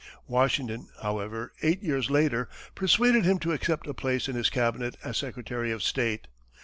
Washington, however, eight years later, persuaded him to accept a place in his cabinet as secretary of state.